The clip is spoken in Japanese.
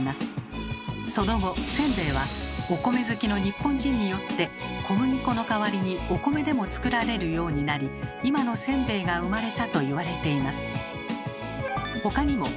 その後せんべいはお米好きの日本人によって小麦粉の代わりにお米でも作られるようになり今のせんべいが生まれたと言われています。